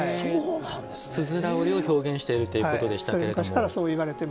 つづら折りを表現しているということでしたが。